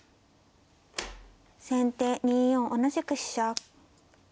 先手２四同じく飛車。